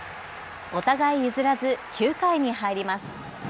お互い譲らず９回に入ります。